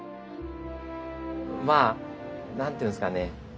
まあ何て言うんですかね